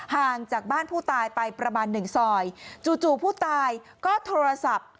ห่างจากบ้านผู้ตายไปประมาณหนึ่งซอยจู่ผู้ตายก็โทรศัพท์